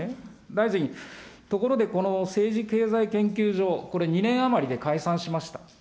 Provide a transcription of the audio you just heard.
大臣、ところでこの政治経済研究所、これ、２年余りで解散しました。